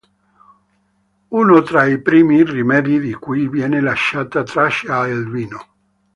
Uno tra i primi rimedi di cui viene lasciata traccia è il vino.